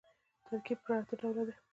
ترکیب پر اته ډوله دئ.